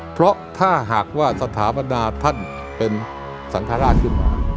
เพราะถ้าหากว่าสถาบันดาท่านเป็นสังฆราชขึ้นมา